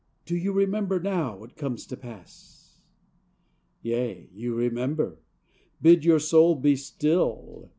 Do you remember, now it comes to pass? Yea, you remember! Bid your soul be still!